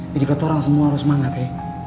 jadi kata orang semua harus manat ya